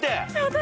私。